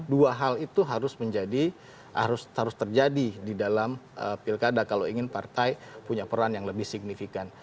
dua hal itu harus terjadi di dalam pilkada kalau ingin partai punya peran yang lebih signifikan